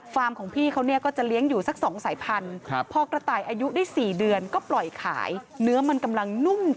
ฟาร์มของพี่เขาเนี้ยก็จะเลี้ยงอยู่สักสองสายพัน